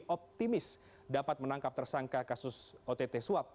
optimis dapat menangkap tersangka kasus ott suap